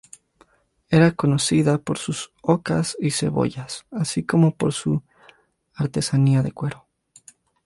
Era conocida por sus ocas y cebollas, así como por su artesanía de cuero.